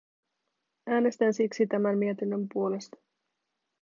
Äänestän siksi tämän mietinnön puolesta.